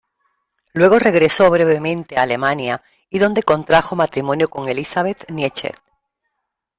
Luego regresó brevemente a Alemania y donde contrajo matrimonio con Elizabeth Nietzsche.